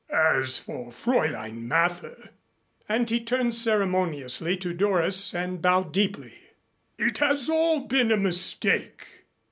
As for Fräulein Mather," and he turned ceremoniously to Doris and bowed deeply, "it has all been a mistake.